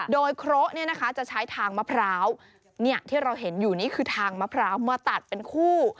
โดยเคราะห์จะใช้ทางมะพร้าวที่เราเห็นอยู่นี่คือทางมะพร้าวมาตัดเป็นคู่